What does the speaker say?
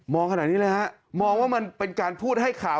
ขนาดนี้เลยฮะมองว่ามันเป็นการพูดให้ข่าว